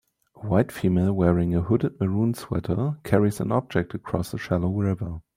A white female wearing a hooded maroon sweater carries an object across a shallow river